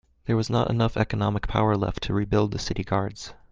There was not enough economic power left to rebuild the city guards.